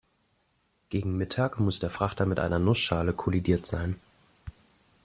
Gegen Mittag muss der Frachter mit einer Nussschale kollidiert sein.